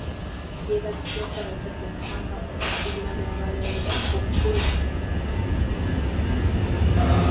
Yeebazizza Ssaabasajja Kabaka okusiima n'abalonda okukulembera bboodi eno.